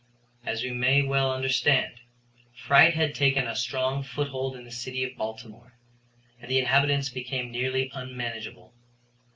As we may well understand, fright had taken a strong foothold in the city of Baltimore and the inhabitants became nearly unmanageable.